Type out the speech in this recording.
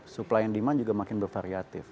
supply and demand juga makin bervariatif